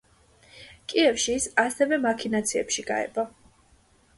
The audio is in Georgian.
კიევში ის ასევე მაქინაციებში გაება.